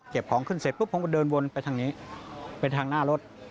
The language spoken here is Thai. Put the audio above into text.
ของขึ้นเสร็จปุ๊บผมก็เดินวนไปทางนี้ไปทางหน้ารถ